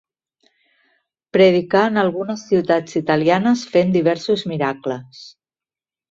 Predicà en algunes ciutats italianes fent diversos miracles.